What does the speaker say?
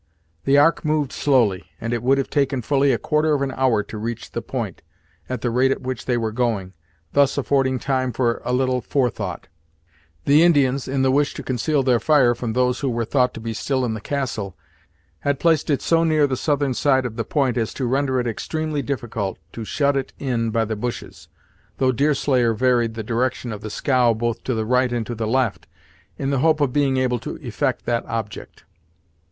The ark moved slowly, and it would have taken fully a quarter of an hour to reach the point, at the rate at which they were going, thus affording time for a little forethought. The Indians, in the wish to conceal their fire from those who were thought to be still in the castle, had placed it so near the southern side of the point as to render it extremely difficult to shut it in by the bushes, though Deerslayer varied the direction of the scow both to the right and to the left, in the hope of being able to effect that object.